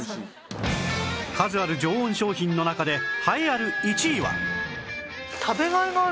数ある常温商品の中で栄えある１位は